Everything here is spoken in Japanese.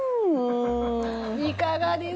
いかがです？